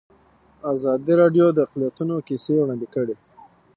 ازادي راډیو د اقلیتونه کیسې وړاندې کړي.